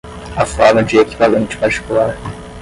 A forma de equivalente particular